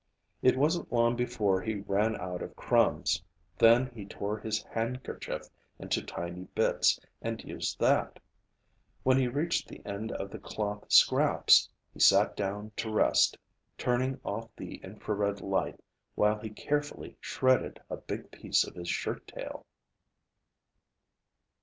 It wasn't long before he ran out of crumbs. Then he tore his handkerchief into tiny bits and used that. When he reached the end of the cloth scraps, he sat down to rest, turning off the infrared light while he carefully shredded a big piece of his shirttail.